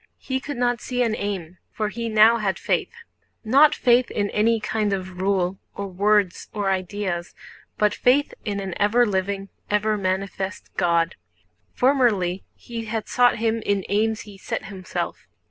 He could not see an aim, for he now had faith—not faith in any kind of rule, or words, or ideas, but faith in an ever living, ever manifest God. Formerly he had sought Him in aims he set himself.